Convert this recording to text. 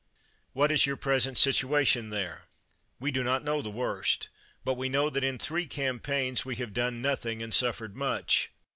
What is your present situation there? We do not know the worst; but we know that in three campaigns we have done nothing and suffered much.